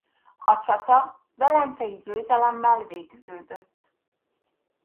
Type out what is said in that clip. A csata velencei győzelemmel végződött.